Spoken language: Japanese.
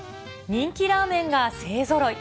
人気ラーメンが勢ぞろい。